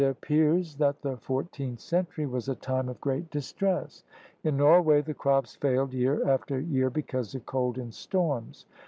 THE APPROACHES TO AMERICA 29 that the fourteenth century was a time of great distress. In Norway the crops failed year after year because of cold and storms.